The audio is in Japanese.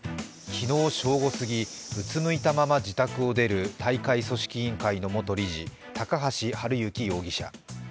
昨日正午過ぎ、うつむいたまま自宅を出る大会組織委員会の元理事高橋治之容疑者。